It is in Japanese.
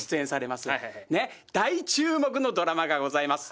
大注目のドラマがございます。